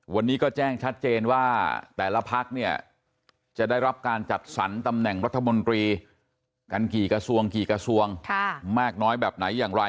วันนี้ก็แจ้งชัดเจนว่าแต่ละพักเนี่ยจะได้รับการจัดสรรตำแหน่งรัฐมนตรีกันกี่กระทรวงกี่กระทรวงมากน้อยแบบไหนอย่างไร